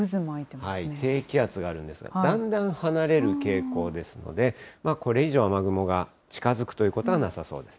低気圧があるんですが、だんだん離れる傾向ですので、これ以上、雨雲が近づくということはなさそうです。